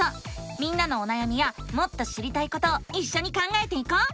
みんなのおなやみやもっと知りたいことをいっしょに考えていこう！